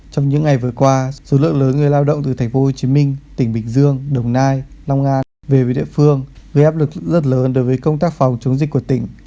trong những ngày vừa qua số lượng lớn người lao động từ tp hcm tỉnh bình dương đồng nai long an về với địa phương gây áp lực rất lớn đối với công tác phòng chống dịch của tỉnh